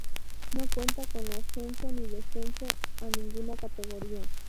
No cuenta con ascenso ni descenso a ninguna categoría.